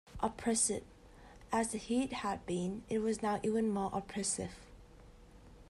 Oppressive as the heat had been, it was now even more oppressive.